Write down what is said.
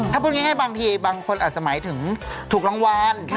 ถ้าพูดง่ายบางทีบางคนอาจจะหมายถึงถูกรางวัล